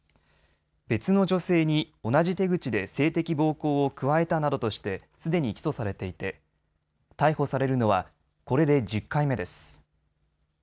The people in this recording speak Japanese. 別の女性に同じ手口で性的暴行を加えたなどとしてすでに起訴されていて逮捕されるのはこれで１０回目です。